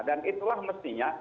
dan itulah mestinya